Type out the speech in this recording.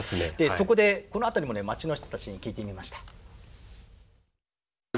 そこでこの辺りもね街の人たちに聞いてみました。